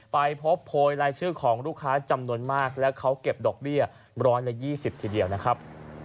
ไปพบพลอยลายชื่อของลูกค้าจำนวนมากแล้วเขาเก็บดอกเบี้ยร้อนละยี่สิบทีเดียวนะครับ